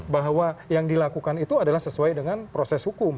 bahwa yang dilakukan itu adalah sesuai dengan proses hukum